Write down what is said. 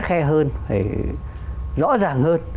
phải khắt khe hơn phải rõ ràng hơn